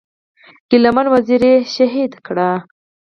ګيله من وزير یې شهید کړ.